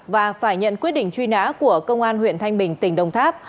và phải nhận quyết định truy nã của công an huyện thanh bình tỉnh đồng tháp